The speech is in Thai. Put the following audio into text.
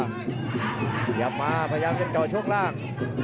กลับมาพยายามยังจ่อยส่วนล่าง